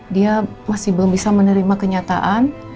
dia masih belum bisa menerima kenyataan